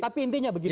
tapi intinya begini